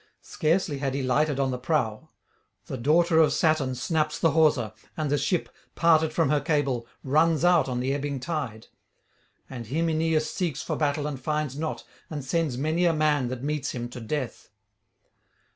Scarcely had he lighted on the prow; the daughter of Saturn snaps the hawser, and the ship, parted from her cable, runs out on the ebbing tide. And him Aeneas seeks for battle and finds not, and sends many a man that meets him to death.